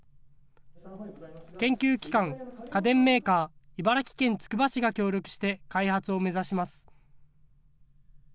研究機関、家電メーカー、茨城県つくば市が協力して開発を目指します。